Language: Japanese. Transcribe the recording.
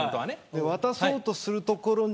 渡そうとするところに。